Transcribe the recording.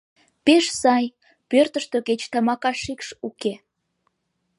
Пеш сай: пӧртыштӧ кеч тамака шикш уке.